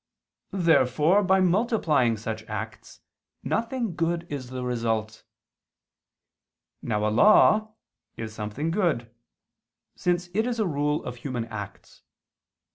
Therefore by multiplying such acts, nothing good is the result. Now a law is something good; since it is a rule of human acts.